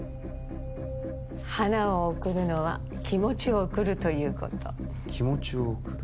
花を贈るのは気持ちを贈るということ気持ちを贈る？